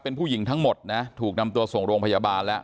เป็นผู้หญิงทั้งหมดนะถูกนำตัวส่งโรงพยาบาลแล้ว